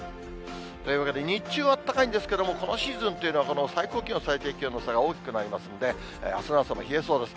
というわけで、日中はあったかいんですけれども、このシーズンというのは、最高気温、最低気温の差が大きくなりますんで、あすの朝も冷えそうです。